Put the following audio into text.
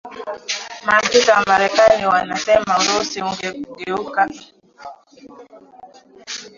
Maafisa wa marekani wanasema Urusi inageukia mkakati wa kuweka taka kwenye vituo vya